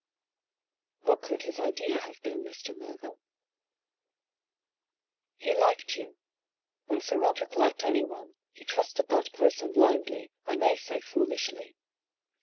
" What could his idea have been, Mr. Mervyn ?"" He liked you. When Sir Roderick liked anyone. THE LOCKET. 109 he trusted that person blindly, I may say foolishly.